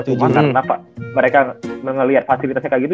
kenapa mereka ngeliat fasilitasnya kayak gitu